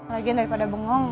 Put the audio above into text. lagi daripada bengong